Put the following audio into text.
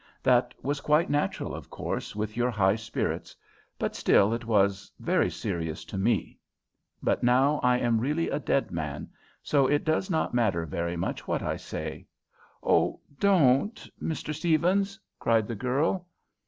That was quite natural, of course, with your high spirits, but still it was very serious to me. But now I am really a dead man, so it does not matter very much what I say." "Oh, don't, Mr. Stephens!" cried the girl.